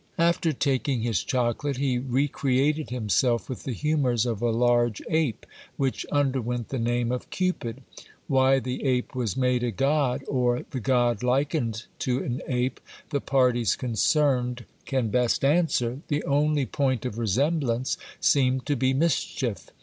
After taking'his chocolate, he recreated himself with the humours of a large ape, which underwent the name of Cupid : why the ape was made a god, or the god likened to an ape, the parties concerned can best answer ; the only point of resemblance seemed to be mischief.